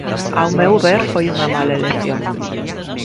Ao meu ver foi unha mala elección.